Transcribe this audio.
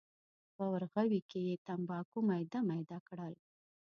په ورغوي کې یې تنباکو میده میده کړل.